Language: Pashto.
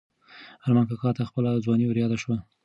ارمان کاکا ته خپله ځواني وریاده شوه.